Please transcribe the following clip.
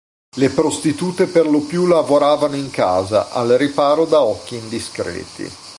Le prostitute per lo più lavoravano in casa al riparo da occhi indiscreti.